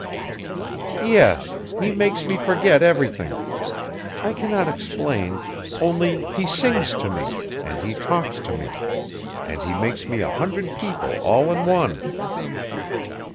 "Yes: he makes me forget everything. I cannot explain, only he sings to me, and he talks to me, and he makes me a hundred people all in one."